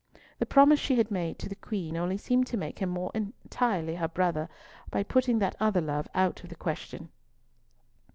The promise she had made to the Queen only seemed to make him more entirely her brother by putting that other love out of the question.